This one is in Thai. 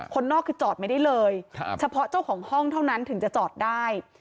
คนนอกคือจอดไม่ได้เลยเฉพาะเจ้าของห้องเท่านั้นถึงจะจอดได้